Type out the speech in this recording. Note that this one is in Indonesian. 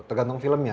tergantung film ya